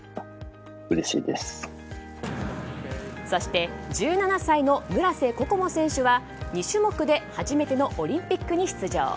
そして１７歳の村瀬心椛選手は２種目で初めてのオリンピックに出場。